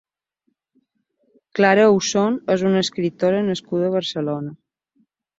Clara Usón és una escriptora nascuda a Barcelona.